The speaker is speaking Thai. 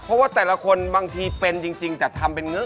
เพราะว่าแต่ละคนบางทีเป็นจริงแต่ทำเป็นเงอ